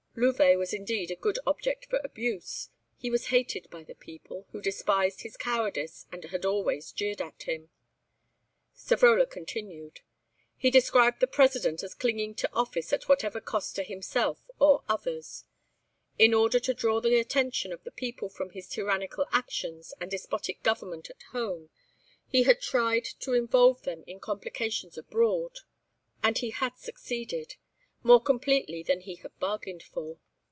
Louvet was indeed a good object for abuse; he was hated by the people, who despised his cowardice and had always jeered at him. Savrola continued. He described the President as clinging to office at whatever cost to himself or others. In order to draw the attention of the people from his tyrannical actions and despotic government at home, he had tried to involve them in complications abroad, and he had succeeded, more completely than he had bargained for.